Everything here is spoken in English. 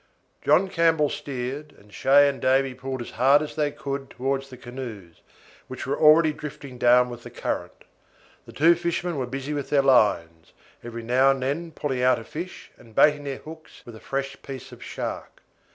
John Campbell steered, and Shay and Davy pulled as hard as they could towards the canoes, which were already drifting down with the current. The two fishermen were busy with their lines, every now and then pulling out a fish and baiting their hooks with a fresh piece of shark.